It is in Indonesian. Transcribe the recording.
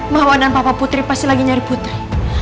mawanan papa putri pasti lagi nyari putri